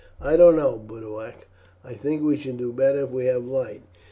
"I don't know, Boduoc; I think we shall do better if we have light.